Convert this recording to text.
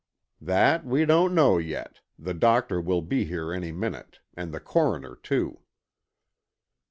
"That we don't know yet, the doctor will be here any minute, and the coroner, too."